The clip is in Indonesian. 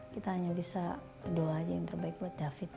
kalau bisa doa aja yang terbaik buat david